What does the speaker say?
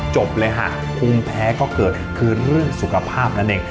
จบเลยค่ะภูมิแพ้ก็เกิดคือเรื่องสุขภาพนั่นเอง